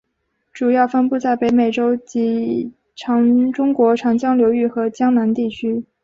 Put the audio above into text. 主要分布在北美洲以及中国长江流域和江南地区。